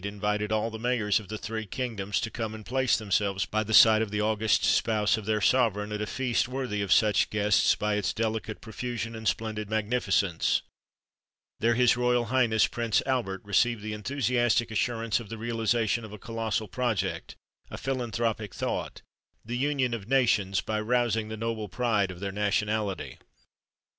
invited all the mayors of the three kingdoms to come and place themselves by the side of the august spouse of their sovereign, at a feast worthy of such guests by its delicate profusion and splendid magnificence. There his Royal Highness Prince Albert received the enthusiastic assurance of the realisation of a colossal project, a philanthropic thought, the union of nations, by rousing the noble pride of their nationality!